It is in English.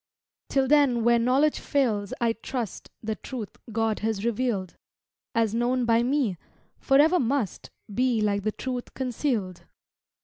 Till then where knowledge fails I trust The truth God has revealed, As known by me, forever must Be like the truth concealed.